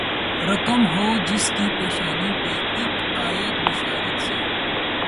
رقم ہو جس کی پیشانی پہ اک آیت بشارت سی